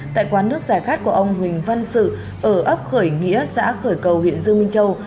tại quán nước giải khát của ông huỳnh văn sự ở ấp khởi nghĩa xã khởi cầu huyện dương minh châu